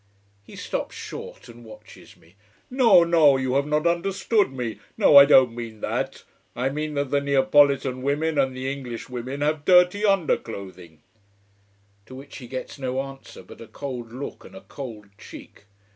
He stops short and watches me. "No! No! You have not understood me. No! I don't mean that. I mean that the Neapolitan women and the English women have dirty underclothing " To which he gets no answer but a cold look and a cold cheek.